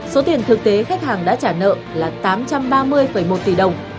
số tiền thực tế khách hàng đã trả nợ là tám trăm ba mươi một tỷ đồng